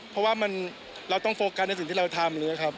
เพราะว่าเราต้องโฟกัสในสิ่งที่เราทำนะครับ